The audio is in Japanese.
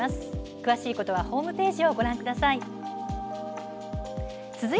詳しくはホームページをご覧ください。